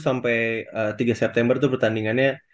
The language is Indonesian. sampai tiga september itu pertandingannya